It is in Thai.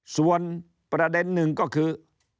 ส่วนประเด็นหนึ่งก็คือ